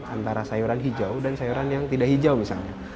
antara sayuran hijau dan sayuran yang tidak hijau misalnya